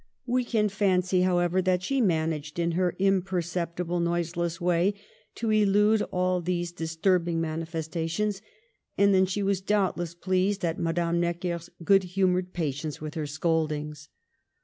We can fancy, however, that she managed, in her imper ceptible, noiseless way, to elude all these dis turbing manifestations ; and then she was doubt less pleased at Madame Necker' s good humored patience with her scoldings.